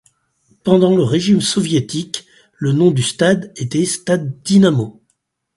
Pendant le régime soviétique, le nom du stade était stade Dynamo.